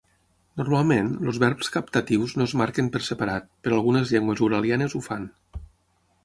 Normalment, els verbs captatius no es marquen per separat, però algunes llengües uralianes ho fan.